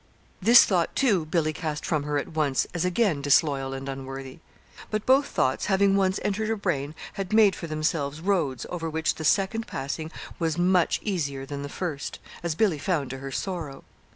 This thought, too, Billy cast from her at once as again disloyal and unworthy. But both thoughts, having once entered her brain, had made for themselves roads over which the second passing was much easier than the first as Billy found to her sorrow.